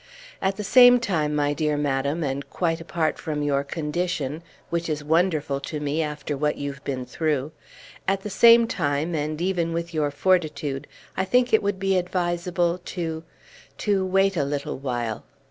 At the same time, my dear madam, and quite apart from your condition which is wonderful to me after what you've been through at the same time, and even with your fortitude, I think it would be advisable to to wait a little while."